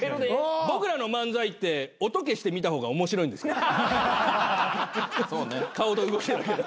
僕らの漫才って音消して見た方が面白いんです。